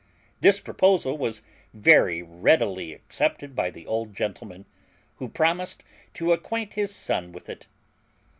This proposal was very readily accepted by the old gentleman, who promised to acquaint his son with it.